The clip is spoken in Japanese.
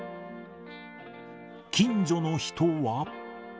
近所の人は。